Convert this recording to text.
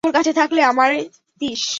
তোর কাছে থাকলে আমায় দিস।